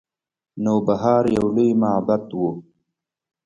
نوبهار یو لوی معبد و